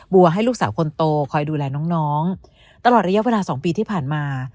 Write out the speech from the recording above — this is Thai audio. ให้ลูกสาวคนโตคอยดูแลน้องน้องตลอดระยะเวลา๒ปีที่ผ่านมา